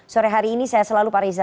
sore hari ini saya selalu pak reza